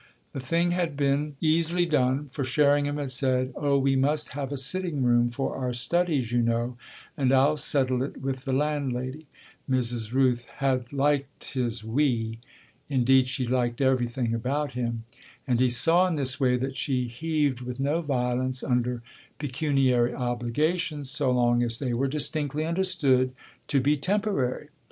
The thing had been easily done, for Sherringham had said: "Oh we must have a sitting room for our studies, you know, and I'll settle it with the landlady," Mrs. Rooth had liked his "we" indeed she liked everything about him and he saw in this way that she heaved with no violence under pecuniary obligations so long as they were distinctly understood to be temporary.